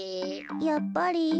やっぱり。